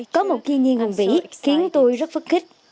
có một kỳ nhiên hùng vĩ khiến tôi rất phức kích